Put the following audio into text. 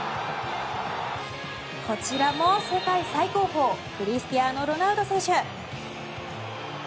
こちらも世界最高峰クリスティアーノ・ロナウド選手。